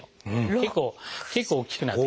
結構大きくなって。